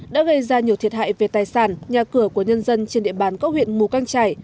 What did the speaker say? đã gây ra nhiều thiệt hại về tài sản nhà cửa của nhân dân trên địa bàn có huyện mù căng trải